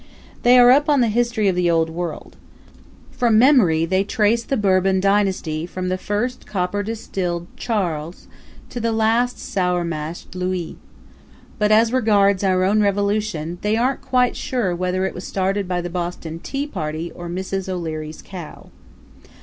They are up on the history of the Old World. From memory they trace the Bourbon dynasty from the first copper distilled Charles to the last sourmashed Louis. But as regards our own Revolution, they aren't quite sure whether it was started by the Boston Tea Party or Mrs. O'Leary's Cow.